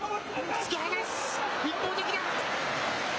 突き放す、一方的だ。